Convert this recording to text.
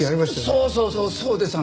そうそうそうそうです！